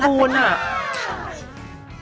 เหมือนเลอร์ด